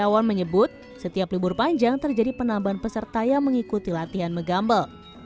iwan menyebut setiap libur panjang terjadi penambahan peserta yang mengikuti latihan megambel